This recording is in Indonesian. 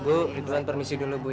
bu dituan permisi dulu bu ya